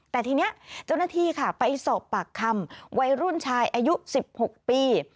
แต่ทีนี้เจ้าหน้าที่ค่ะไปสอบปากคำวัยรุ่นชายอายุ๑๖ปี